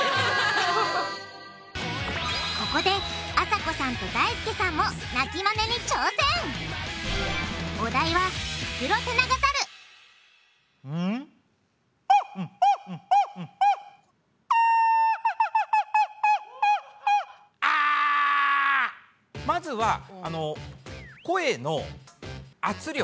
ここであさこさんとだいすけさんもまずはあの声の圧力。